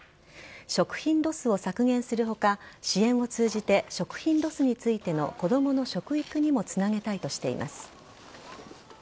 食品ロスを削減するほか、支援を通じて、食品ロスについての子どもの食育にもつなげたいとしています。